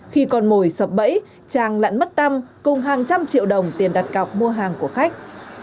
khi còn mồi sập bẫy trang lãn mất tăm cùng hàng trăm triệu đồng tiền đặt cọc mua hàng của khách